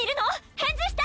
返事して！